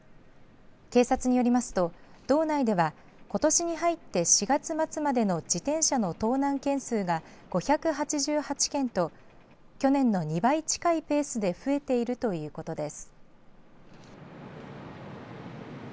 警察によりますと道内ではことしに入って４月末までの自転車の盗難件数が５８８件と去年の２倍近いペースで増えているということです。